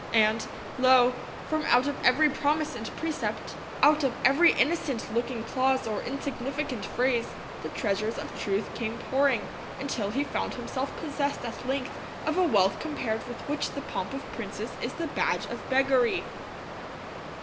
And, lo, from out of every promise and precept, out of every innocent looking clause or insignificant phrase, the treasures of truth came pouring, until he found himself possessed at length of a wealth compared with which the pomp of princes is the badge of beggary.